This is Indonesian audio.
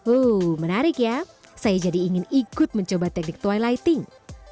uh menarik ya saya jadi ingin ikut mencoba teknik twilighting